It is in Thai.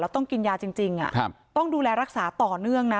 ต้องกินยาจริงต้องดูแลรักษาต่อเนื่องนะ